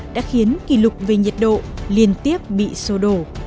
đã khiến kỷ lục về nhiệt độ liên tiếp bị sô đổ